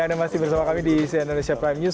anda masih bersama kami di cnn indonesia prime news